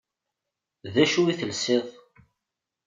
D acu i telsiḍ?